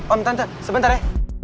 om tante sebentar ya